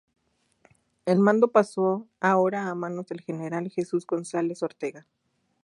El mando pasó ahora a manos del general Jesús González Ortega.